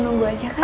nunggu aja kan